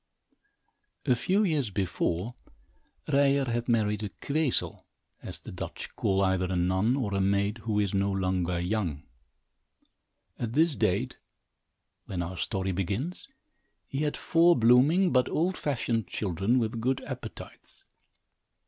A few years before, Ryer had married a "queezel," as the Dutch call either a nun, or a maid who is no longer young. At this date, when our story begins, he had four blooming, but old fashioned children, with good appetites.